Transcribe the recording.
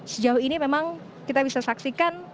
sejauh ini memang kita bisa saksikan